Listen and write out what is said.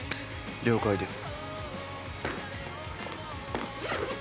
了解です。